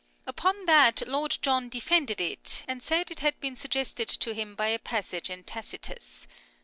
Upon that Lord John defended it, and said it had been suggested to him by a passage in Tacitus.